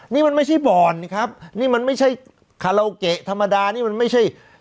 นี่มันไม่ใช่บ่อนครับนี่มันไม่ใช่คาราโอเกะธรรมดานี่มันไม่ใช่